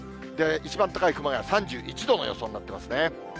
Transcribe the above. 一番高い熊谷３１度の予想になってますね。